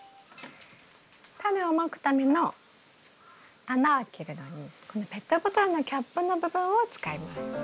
タネをまくための穴開けるのにこのペットボトルのキャップの部分を使います。